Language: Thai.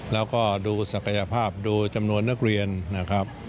แล้วก็ดูศักยภาพดูจำนวนนักเรียนนะครับ